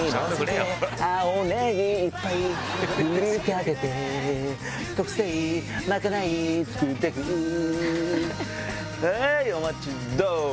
はいお待ちどお！